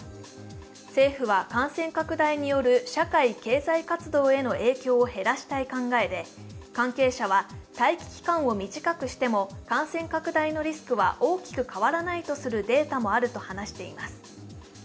政府は感染拡大による社会経済活動への影響を減らしたい考えで関係者は、待機期間を短くしても感染拡大のリスクは大きく変わらないとするデータもあると話しています。